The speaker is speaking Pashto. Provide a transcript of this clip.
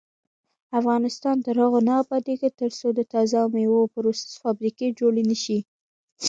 افغانستان تر هغو نه ابادیږي، ترڅو د تازه میوو پروسس فابریکې جوړې نشي.